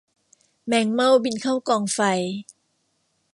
แมงเม่าบินเข้ากองไฟ